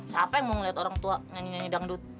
siapa yang mau ngeliat orang tua nyanyi nyanyi dangdut